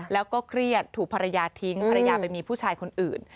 แล้วก็เครียดถูกภรรยาทิ้งภรรยาไปมีผู้ชายคนอื่น